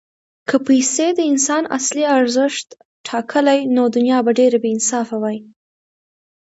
که پیسې د انسان اصلي ارزښت ټاکلی، نو دنیا به ډېره بېانصافه وای.